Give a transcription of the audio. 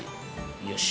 よし。